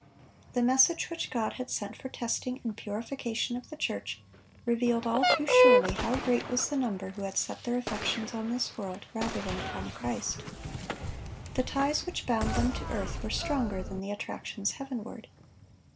The message which God had sent for the testing and purification of the church, revealed all too surely how great was the number who had set their affections on this world rather than upon Christ. The ties which bound them to earth were stronger than the attractions heavenward.